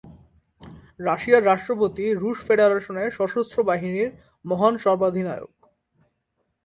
রাশিয়ার রাষ্ট্রপতি "রুশ ফেডারেশনের সশস্ত্র বাহিনীর মহান সর্বাধিনায়ক"।